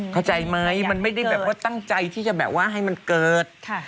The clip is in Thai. เข้าใจไหมมันไม่ได้แบบว่าตั้งใจที่จะแบบว่าให้มันเกิด